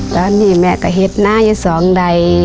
ตอนนี้แม่กับเห็ดน่าใจสองใด